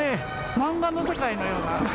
漫画の世界のような。